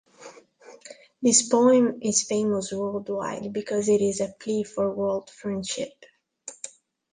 This poem is famous worldwide because it is a plea for world friendship.